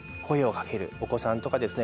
お子さんとかですね